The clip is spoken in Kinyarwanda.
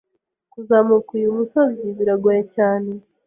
Kuzamuka uyu musozi biragoye cyane.